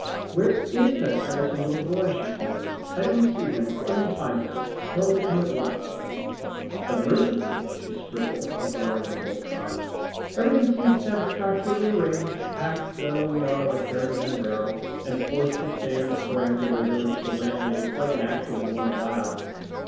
"Where IS that tiresome little boy?" she said. "I don't see him. Run and find him. Tell him to come at once." "... but mercifully," she scribbled, ignoring the full stop, "everything seems satisfactorily arranged, packed though we are like herrings in a barrel, and forced to stand the perambulator which the landlady quite naturally won't allow...."